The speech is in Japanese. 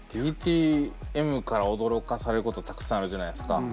ＤＴＭから驚かされることたくさんあるじゃないですか。